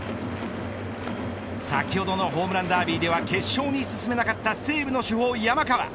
先ほどのホームランダービーでは決勝に進めなかった西武の主砲、山川。